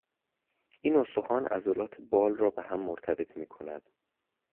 این استخوان عضلات بال را بههم مرتبط میکند.